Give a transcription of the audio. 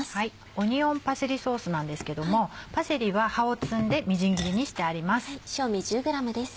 オニオンパセリソースなんですけどもパセリは葉を摘んでみじん切りにしてあります。